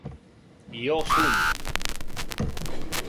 Yoo Sun